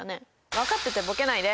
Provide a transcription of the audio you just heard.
分かっててぼけないで。